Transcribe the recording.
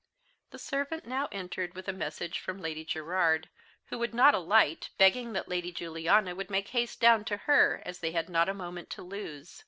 The servant now entered with a message from Lady Gerard, who would not alight, begging that Lady Juliana would make haste down to her, as they had not a moment to lose.